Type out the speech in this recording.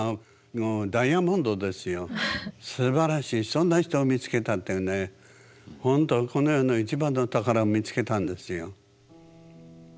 そんな人を見つけたってねほんとこの世の一番の宝を見つけたんですよ。